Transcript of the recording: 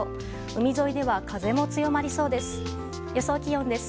海沿いでは風も強まりそうです。